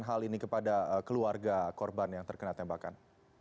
hal ini kepada keluarga korban yang terkena tembakan